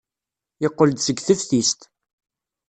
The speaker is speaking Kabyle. Yeqqel-d seg teftist.